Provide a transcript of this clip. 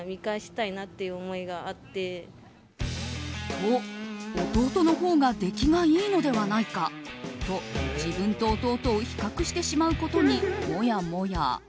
と、弟のほうが出来がいいのではないかと自分と弟を比較してしまうことにもやもや。